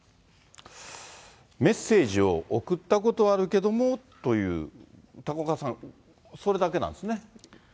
メッセージを送ったことはあるけどもという、高岡さん、それだけなんですね。